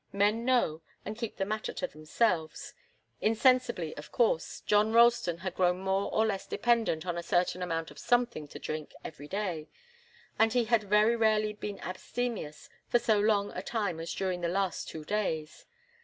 Men know, and keep the matter to themselves. Insensibly, of course, John Ralston had grown more or less dependent on a certain amount of something to drink every day, and he had very rarely been really abstemious for so long a time as during the last two days.